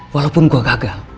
walaupun gue gagal